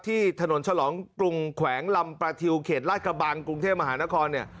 ที่ถนนฉลองกรุงแขวงลำประทิวเขตลาดกระบังกรุงเทพมหานครเนี่ย